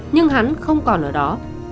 nhưng hắn không còn ở đó